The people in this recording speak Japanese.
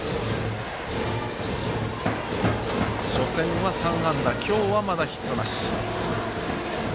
初戦は３安打今日は、まだヒットなし。